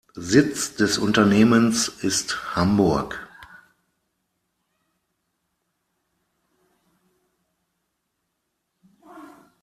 Sitz des Unternehmens ist Hamburg.